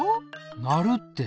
なるって！